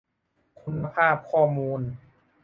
คุณภาพข้อมูล